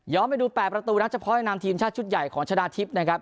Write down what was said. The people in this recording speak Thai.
ไปดู๘ประตูนักเฉพาะในนามทีมชาติชุดใหญ่ของชนะทิพย์นะครับ